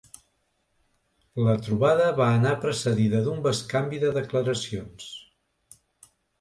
La trobada va anar precedida d’un bescanvi de declaracions.